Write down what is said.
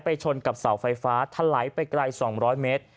ชนกับเสาไฟฟ้าทะไหลไปไกล๒๐๐เมตร